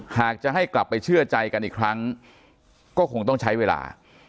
หากจะให้กลับไปเชื่อใจกันอีกครั้งก็คงต้องใช้เวลา